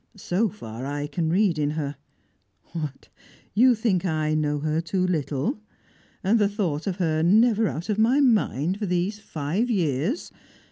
So far I can read in her. What! You think I know her too little? And the thought of her never out of my mind for these five years!